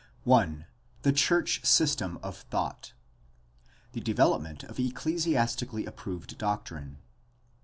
I. THE CHURCH SYSTEM OF THOUGHT The development of ecclesiastically approved doctrine.